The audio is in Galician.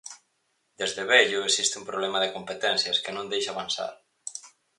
Desde vello existe un problema de competencias que non deixa avanzar.